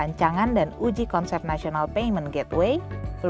rancangan dan uji konsep nasional dan kemampuan keberlanjutan reformasi struktural